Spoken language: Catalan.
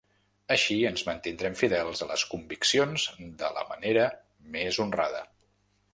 Així, ens mantindrem fidels a les conviccions de la manera més honrada.